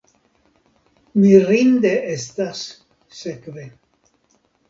Mirinde estas, sekve.